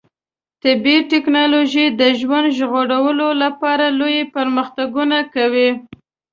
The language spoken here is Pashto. طبي ټکنالوژي د ژوند ژغورنې لپاره لوی پرمختګونه کوي.